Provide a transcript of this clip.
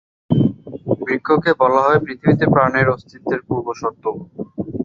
বৃক্ষকে বলা হয় পৃথিবীতে প্রাণের অস্তিত্বের পূর্বশর্ত।